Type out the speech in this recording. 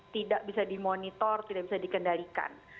tidak bisa dimonitor tidak bisa dikendalikan